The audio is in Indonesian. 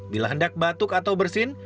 bila hendak batuk atau bersin